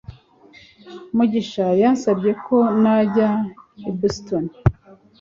mugisha yansabye ko najyana i boston